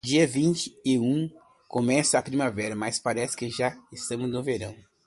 Dia vinte e um começa a primavera, mas, parece que já estamos no verão.